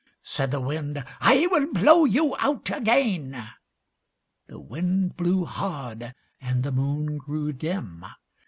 Said the Wind "I will blow you out again." The Wind blew hard, and the Moon grew dim.